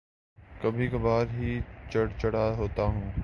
کبھی کبھار ہی چڑچڑا ہوتا ہوں